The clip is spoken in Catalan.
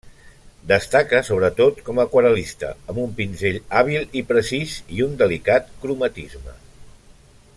Destaca sobretot com a aquarel·lista, amb un pinzell hàbil i precís, i un delicat cromatisme.